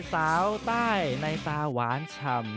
สาวใต้ในตาหวานชำยักษ์